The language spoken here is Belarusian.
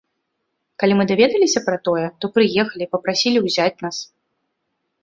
Калі мы даведаліся пра тое, то прыехалі, папрасілі ўзяць нас.